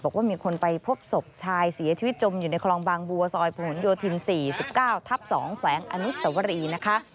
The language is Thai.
บอกว่ามีคนไปพบศพชายเสียชีวิตจมอยู่ในคลองบางบัวซอยผลโยธิน๔๙ทับ๒แขวงอนุสวรีนะคะ